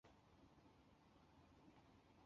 魏桓子只好同意了。